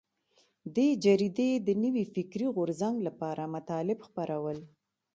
دې جریدې د نوي فکري غورځنګ لپاره مطالب خپرول.